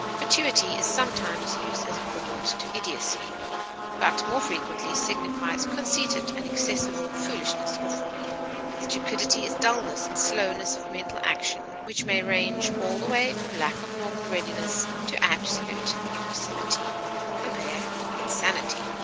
Fatuity is sometimes used as equivalent to idiocy, but more frequently signifies conceited and excessive foolishness or folly. Stupidity is dulness and slowness of mental action which may range all the way from lack of normal readiness to absolute imbecility. Compare INSANITY.